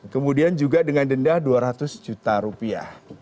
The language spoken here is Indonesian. kemudian juga dengan denda dua ratus juta rupiah